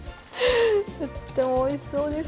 とってもおいしそうです。